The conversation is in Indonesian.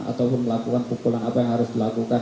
ataupun melakukan pukulan apa yang harus dilakukan